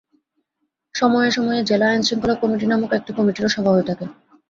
সময়ে সময়ে জেলা আইনশৃঙ্খলা কমিটি নামক একটি কমিটিরও সভা হয়ে থাকে।